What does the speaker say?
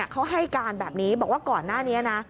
เขาให้การแบบนี้บอกว่าก่อนหน้านี้นะ